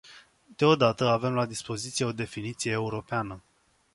Deodată, avem la dispoziție o definiție europeană.